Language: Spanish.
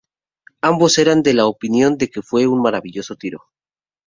Ambos eran de la opinión de que fue un maravilloso tiro.